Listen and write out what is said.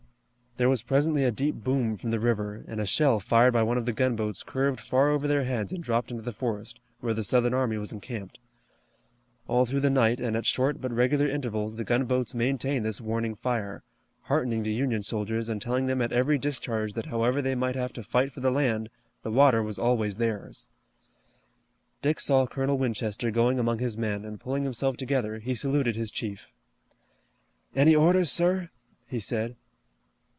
There was presently a deep boom from the river, and a shell fired by one of the gunboats curved far over their heads and dropped into the forest, where the Southern army was encamped. All through the night and at short but regular intervals the gunboats maintained this warning fire, heartening the Union soldiers, and telling them at every discharge that however they might have to fight for the land, the water was always theirs. Dick saw Colonel Winchester going among his men, and pulling himself together he saluted his chief. "Any orders, sir?" he said.